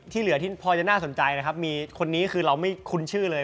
เหลือที่พอจะน่าสนใจนะครับมีคนนี้คือเราไม่คุ้นชื่อเลย